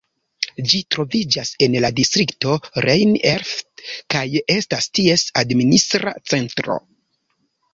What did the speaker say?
Ĝi troviĝas en la distrikto Rhein-Erft, kaj estas ties administra centro.